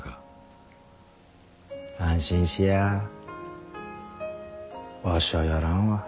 安心しやわしゃやらんわ。